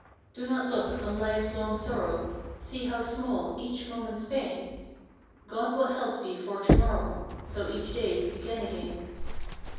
Do not look on life's long sorrow; See how small each moment's pain; God will help thee for to morrow, .So each day begin again.